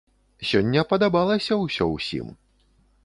Сёння падабалася ўсё ўсім.